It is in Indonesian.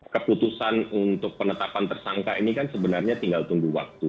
keputusan untuk penetapan tersangka ini kan sebenarnya tinggal tunggu waktu